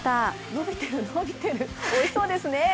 のびてる、のびてる、おいしそうですね。